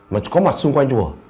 mà có mặt xung quanh chùa